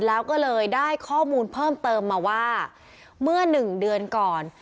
แล้วก็เลยได้ข้อมูลเพิ่มเติมมาว่าเมื่อหนึ่งเดือนก่อน